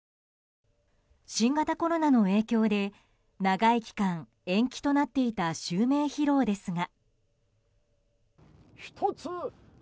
新型コロナの影響で長い期間延期となっていた襲名披露ですが。